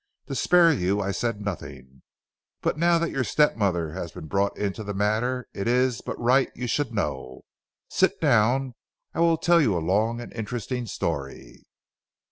To spare you I said nothing, but now that your step mother has been brought into the matter it is but right you should know. Sit down. I will tell you a long and interesting story."